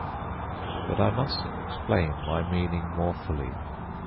But I must explain my meaning more fully.